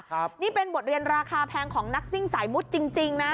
ครับนี่เป็นบทเรียนราคาแพงของนักซิ่งสายมุดจริงจริงนะ